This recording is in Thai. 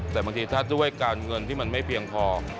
แต่บางทีถ้าด้วยการเงินที่มันไม่เพียงพอ